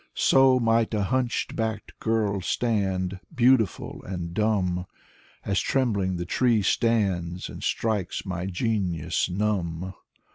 So might a hunch backed girl stand, beautiful and dumb, As trembling, the tree stands, and strikes my genius numb.